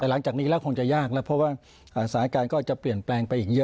แต่หลังจากนี้แล้วคงจะยากแล้วเพราะว่าสถานการณ์ก็จะเปลี่ยนแปลงไปอีกเยอะ